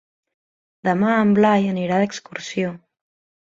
Demà en Blai anirà d'excursió.